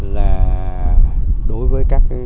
là đối với các nhóm